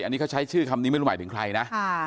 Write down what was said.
อันนี้เขาใช้ชื่อคำนี้ไม่รู้หมายถึงใครนะ